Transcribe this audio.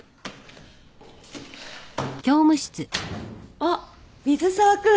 あっ水沢君。